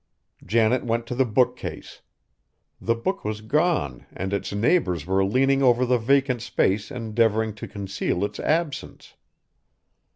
Janet went to the bookcase; the book was gone and its neighbors were leaning over the vacant space endeavoring to conceal its absence.